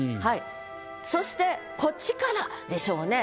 そしてこっちからでしょうね。